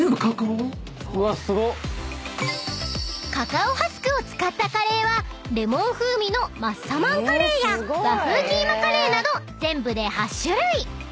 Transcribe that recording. ［カカオハスクを使ったカレーはレモン風味のマッサマンカレーや和風キーマカレーなど全部で８種類］